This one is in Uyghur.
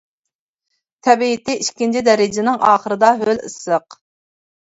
تەبىئىتى ئىككىنچى دەرىجىنىڭ ئاخىرىدا ھۆل ئىسسىق.